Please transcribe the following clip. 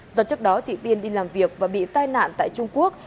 do trước đó chị tiên đi làm việc và bị tai nạn tại trung quốc